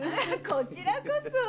こちらこそ！